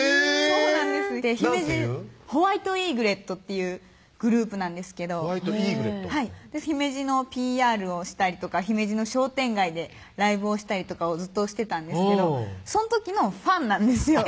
ＷＴ☆ＥｇｒｅｔというグループなんですけどＷＴ☆Ｅｇｒｅｔはい姫路のＰＲをしたりとか姫路の商店街でライブをしたりとかをずっとしてたんですけどその時のファンなんですよ